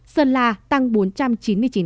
sơn la tăng bốn trăm chín mươi chín ca